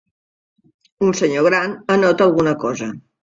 Un senyor gran anota alguna cosa.